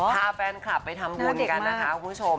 พาแฟนคลับไปทำบุญกันนะคะคุณผู้ชม